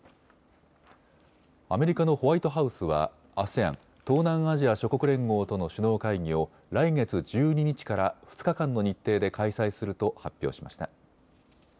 アメリカのホワイトハウスは、ＡＳＥＡＮ・東南アジア諸国連合との首脳会議を来月１２日から２日間の日程で開催すると発表しました。